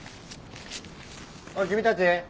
おい君たち？